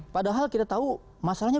padahal kita tahu masalahnya